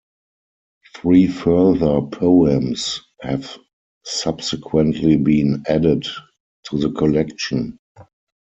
Three further poems have subsequently been added to the collection.